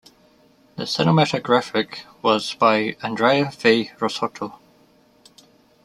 The cinematographic was by Andrea V. Rossotto.